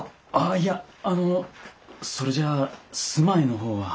あいやあのそれじゃ住まいの方は？